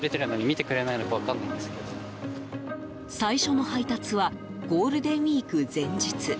最初の配達はゴールデンウィーク前日。